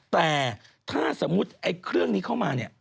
แต่ถ้าสมมุติไอ้เครื่องนี้เข้ามาเนี่ย